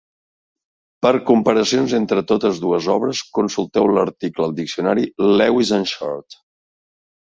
Per comparacions entre totes dues obres, consulteu l'article al diccionari "Lewis and Short".